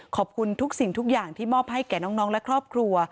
ขอบคุณทุกสิ่งทุกอย่างที่มอบให้แก่น้องและครอบครัว